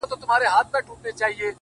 سپينه خولگۍ راپسي مه ږغوه ـ